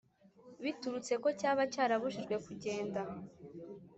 biturutse ko cyaba cyarabujijwe kugenda